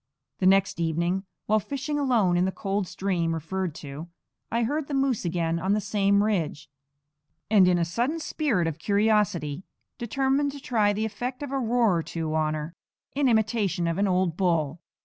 The next evening, while fishing alone in the cold stream referred to, I heard the moose again on the same ridge; and in a sudden spirit of curiosity determined to try the effect of a roar or two on her, in imitation of an old bull.